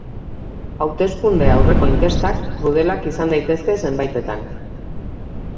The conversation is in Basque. Hauteskunde aurreko inkestak krudelak izan daitezke zenbaitetan.